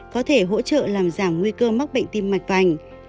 có thể hỗ trợ làm giảm nguy cơ mắc bệnh tim mạch vành